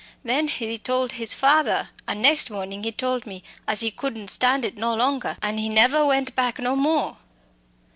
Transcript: Then he told his father, and next morning he told me, as he couldn't stand it no longer, an' he never went back no more."